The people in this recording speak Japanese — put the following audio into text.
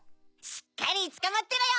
しっかりつかまってろよ！